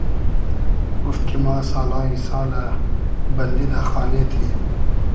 گوفت کی ما سالای سالۂ بئندی دۂ خانې تو ییم